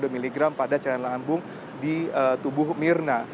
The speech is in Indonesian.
dua miligram pada cairan lambung di tubuh mirna